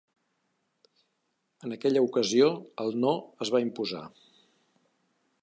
En aquella ocasió, el ‘no’ es va imposar.